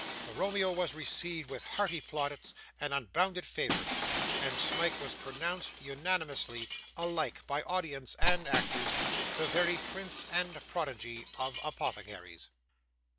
The Romeo was received with hearty plaudits and unbounded favour, and Smike was pronounced unanimously, alike by audience and actors, the very prince and prodigy of Apothecaries.